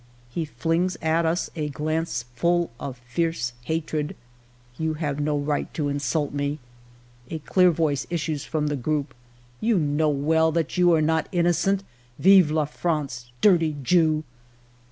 He flings at us a glance full of fierce hatred. "' You have no right to insult me !'" A clear voice issues from the group :— '"You know well that you are not innocent. Vive la France ! Dirty Jew